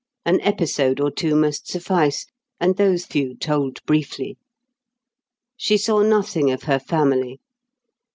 An episode or two must suffice; and those few told briefly. She saw nothing of her family.